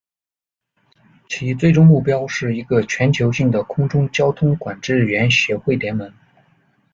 其最终目标是一个全球性的空中交通管制员协会联盟。